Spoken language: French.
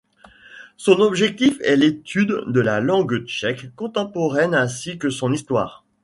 Son objectif est l'étude de la langue tchèque contemporaine ainsi que son histoire.